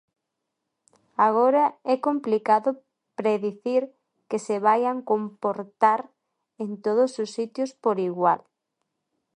Agora, é complicado predicir que se vaian comportar en todos os sitios por igual.